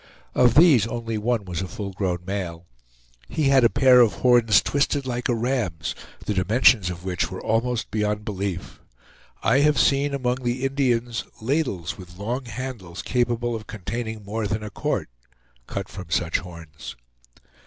Of these only one was a full grown male. He had a pair of horns twisted like a ram's, the dimensions of which were almost beyond belief. I have seen among the Indians ladles with long handles, capable of containing more than a quart, cut from such horns.